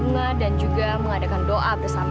bunga dan juga mengadakan doa bersama